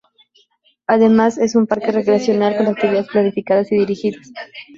Además es un parque recreacional con actividades planificadas y dirigidas.